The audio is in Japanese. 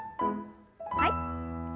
はい。